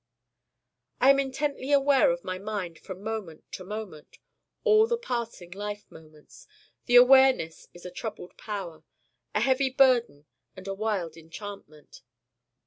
I am intently aware of my Mind from moment to moment all the passing life moments. The awareness is a troubled power, a heavy burden and a wild enchantment.